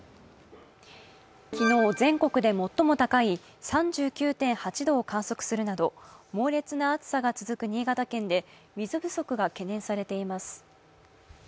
昨日、全国で最も高い３９．８度を観測するなど猛烈な暑さが続く新潟県で水不足が懸念されています。